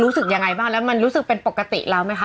รู้สึกยังไงบ้างแล้วมันรู้สึกเป็นปกติแล้วไหมคะ